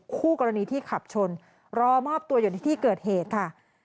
คู่กรณีที่ขับชนรอมอบตัวอยู่ในที่เกิดเหตุค่ะ